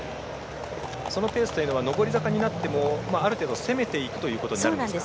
そのペースというのは上り坂になってもある程度、攻めていくということになるんでしょうか。